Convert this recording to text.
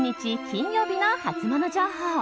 金曜日のハツモノ情報。